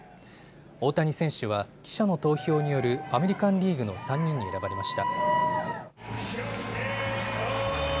大谷選手は記者の投票によるアメリカンリーグの３人に選ばれました。